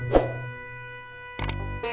nih si tati